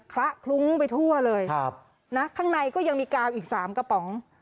คละคลุ้งไปทั่วเลยนะข้างในก็ยังมีกาวอีก๓กระป๋อง